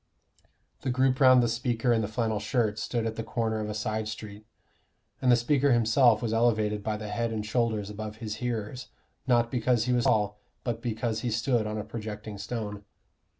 The group round the speaker in the flannel shirt stood at the corner of a side street, and the speaker himself was elevated by the head and shoulders above his hearers, not because he was tall, but because he stood on a projecting stone.